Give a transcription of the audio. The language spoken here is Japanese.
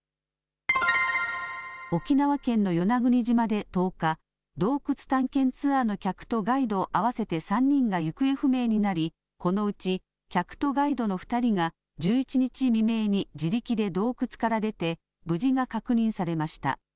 沖縄県の与那国島で１０日、洞窟探検ツアーの客とガイド合わせて３人が行方不明になり、このうち客とガイドの２人が１１日未明に自力で洞窟から出て、無事が確認されました。